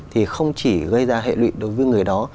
thì không chỉ gây ra hệ lụy đối với người đó